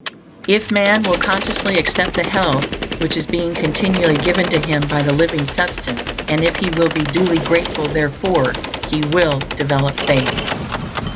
If man will consciously accept the health which is being continually given to him by the Living Substance, and if he will be duly grateful therefor, he will develop faith.